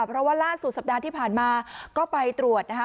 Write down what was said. เพราะว่าล่าสุดสัปดาห์ที่ผ่านมาก็ไปตรวจนะคะ